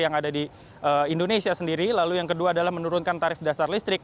yang ada di indonesia sendiri lalu yang kedua adalah menurunkan tarif dasar listrik